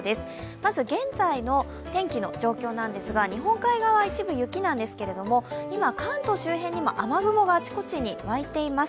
まず、現在の天気の状況ですが、日本海側、一部雪なんですけど今、関東周辺にも雨雲があちこちに湧いています。